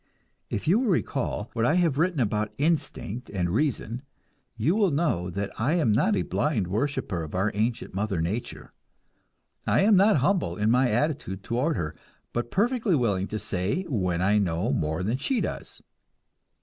If you will recall what I have written about instinct and reason, you will know that I am not a blind worshipper of our ancient mother nature. I am not humble in my attitude toward her, but perfectly willing to say when I know more than she does.